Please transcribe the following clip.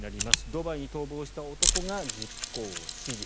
ドバイに逃亡した男が実行を指示。